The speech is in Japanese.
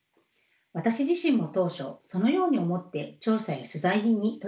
私自身も当初そのように思って調査や取材に取りかかりました。